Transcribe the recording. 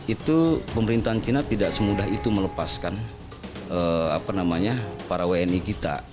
itu pemerintahan china tidak semudah itu melepaskan para wni kita